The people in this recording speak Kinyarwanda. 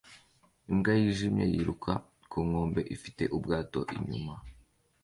Imbwa yijimye yiruka ku nkombe ifite ubwato inyuma